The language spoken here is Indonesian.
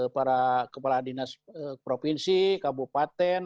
para kepala dinas provinsi kabupaten